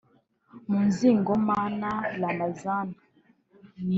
Nkunzingoma Ramazan